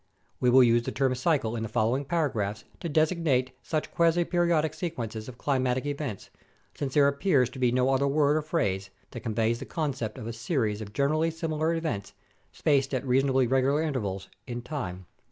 We will use the term "cycle" in the following paragraphs to designate such quasi periodic sequences of climatic events, since there appears to be no other word or phrase that conveys the concept of a series of generally similar events spaced at reasonably regular intervals in time.